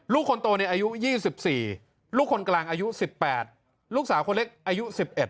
คนโตเนี่ยอายุ๒๔ลูกคนกลางอายุ๑๘ลูกสาวคนเล็กอายุ๑๑